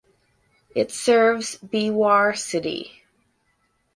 It serves Beawar city.